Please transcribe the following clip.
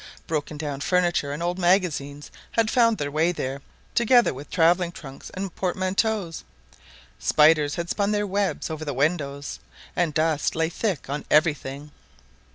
Broken down furniture and old magazines had found their way there, together with travelling trunks and portmanteaux. Spiders had spun their webs over the windows, and dust lay thick on everything.